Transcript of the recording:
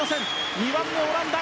２番目、オランダ。